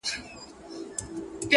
داسي ژوند کي لازمي بولمه مینه-